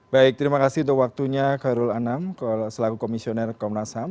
baik terima kasih untuk waktunya khairul anam selaku komisioner komnas ham